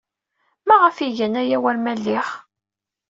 Maɣef ay gan aya war ma lliɣ?